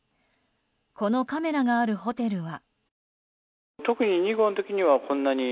このカメラがあるホテルは。